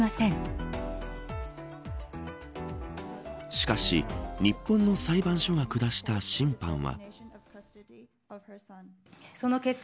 しかし、日本の裁判所が下した審判は。